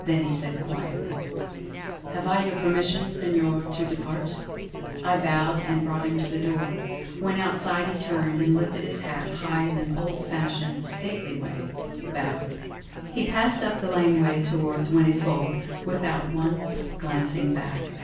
Then he said quietly: "Have I your permission, Senor, to depart?" I bowed, and brought him to the door. When outside he turned, and, lifting his hat high in an old fashioned, stately way, bowed. He passed up the laneway towards Whinnyfold, without once glancing back.